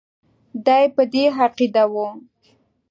دی په دې عقیده وو.